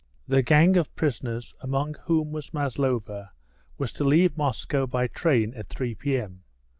The gang of prisoners, among whom was Maslova, was to leave Moscow by rail at 3 p.m.